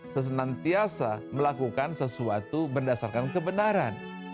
sesenantiasa melakukan sesuatu berdasarkan kebenaran